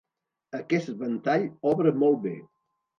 Aquest ventall obre molt bé.